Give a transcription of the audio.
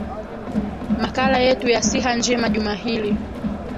makala yetu ya siha njema juma hili